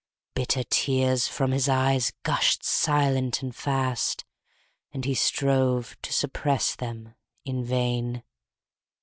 Bitter tears, from his eyes, gushed silent and fast; And he strove to suppress them in vain.